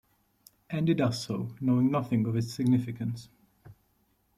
Andy does so, knowing nothing of its significance.